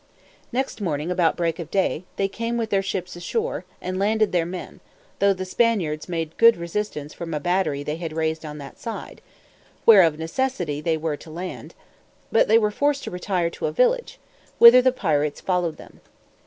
Next morning, about break of day, they came with their ships ashore, and landed their men, though the Spaniards made good resistance from a battery they had raised on that side, where, of necessity, they were to land; but they were forced to retire to a village, whither the pirates followed them.